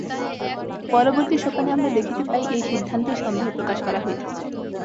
পরবর্তী সোপানে আমরা দেখিতে পাই, এই সিদ্ধান্তে সন্দেহ প্রকাশ করা হইতেছে।